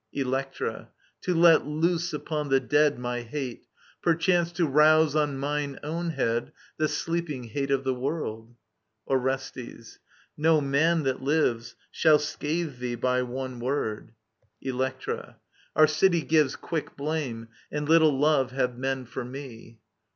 Electra. To let loose upon the dead My hate I Perchance to rousle on mine own head The sleeping hate of the world i Orestes. No man that lives Shall scathe thee by one word. Dlbctra. Our city gives Quick blame ; and little love have men for me.